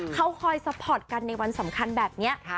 เขาคอยสปอร์ตกันในวันสำคัญแบบเนี่ย